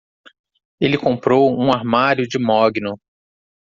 Ele comprou um armário de mogno